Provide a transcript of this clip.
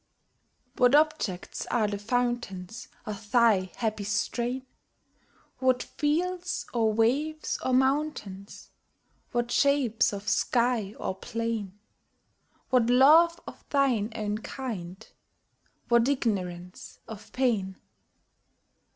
What objects are the fountains Of thy happy strain? What fields, or waves, or mountains? What shapes of sky or plain? What love of thine own kind? what ignorance of pain?